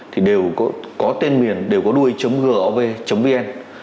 thì đều có tên miền đều có đuôi gov vn